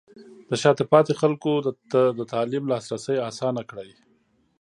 د شاته پاتې خلکو ته د تعلیم لاسرسی اسانه کړئ.